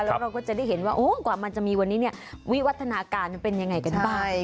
แล้วเราก็จะได้เห็นว่ากว่ามันจะมีวันนี้เนี่ยวิวัฒนาการมันเป็นยังไงกันบ้าง